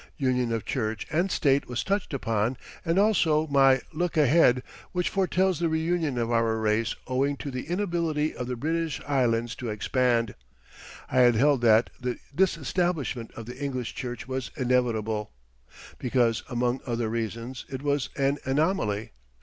Union of Church and State was touched upon, and also my "Look Ahead," which foretells the reunion of our race owing to the inability of the British Islands to expand. I had held that the disestablishment of the English Church was inevitable, because among other reasons it was an anomaly.